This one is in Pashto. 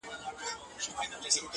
دې مړۍ ته د ګیدړ ګېډه جوړيږي!